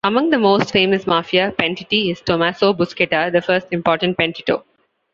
Among the most famous Mafia "pentiti" is Tommaso Buscetta, the first important "pentito".